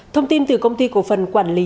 thông tin từ công ty cổ phần quản lý